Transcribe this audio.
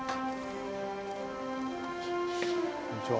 こんにちは。